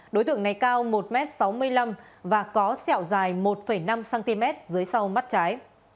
đối tượng này cao một m sáu mươi năm và có sẹo dài một năm cm dưới sau mắt trái